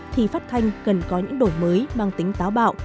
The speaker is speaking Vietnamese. thì phát thanh cần có những đổi mới mang tính táo bạo